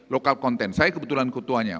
lokal konten saya kebetulan ketuanya